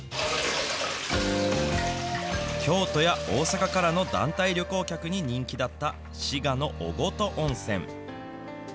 京都や大阪からの団体旅行客に人気だった、滋賀のおごと温泉。